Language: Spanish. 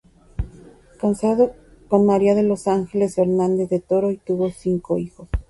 Casado con María de los Ángeles Fernández de Toro y tuvo cinco hijos.